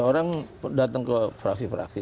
orang datang ke fraksi fraksi